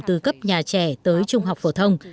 từ cấp nhà trẻ tới trung học phổ thông